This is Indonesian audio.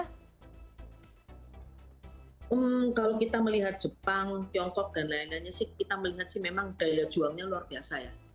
hmm kalau kita melihat jepang tiongkok dan lain lainnya sih kita melihat sih memang daya juangnya luar biasa ya